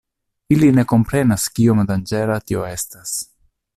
Ili ne komprenas kiom danĝera tio estas.